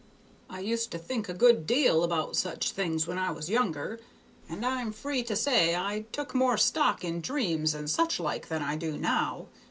"I used to think a good deal about such things when I was younger, and I'm free to say I took more stock in dreams and such like than I do now.